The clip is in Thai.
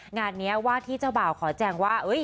งานนี้ว่าที่เจ้าบ่าวขอแจงว่า